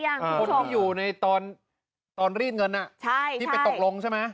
คนที่อยู่ในตอนรีดเงินที่ไปตกลงใช่ไหม